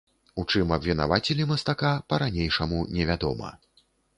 У чым абвінавацілі мастака, па-ранейшаму невядома.